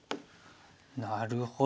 なるほど。